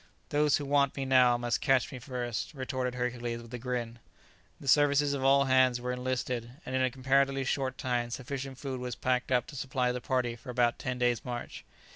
"Those who want me now must catch me first," retorted Hercules, with a grin. The services of all hands were enlisted, and in a comparatively short time sufficient food was packed up to supply the party for about ten days' march.